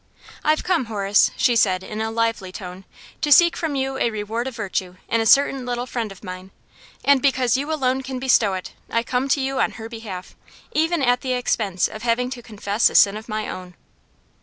"I've come, Horace," she said in a lively tone, "to seek from you a reward of virtue in a certain little friend of mine; and because you alone can bestow it, I come to you on her behalf, even at the expense of having to confess a sin of my own."